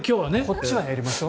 こっちはやりましょう。